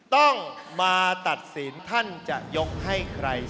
ต้องมาตัดสินท่านจะยกให้ใคร